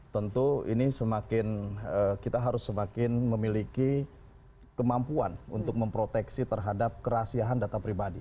tentu ini semakin kita harus semakin memiliki kemampuan untuk memproteksi terhadap kerahsiahan data pribadi